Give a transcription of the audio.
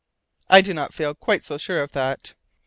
"I do not feel quite so sure of that."